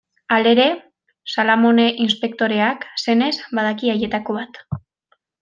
Halere, Salamone inspektoreak, senez, badaki haietako bat.